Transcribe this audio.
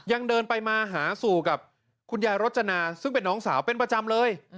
ยังเดินไปมาหาสู่กับคุณยายรจนาซึ่งเป็นน้องสาวเป็นประจำเลย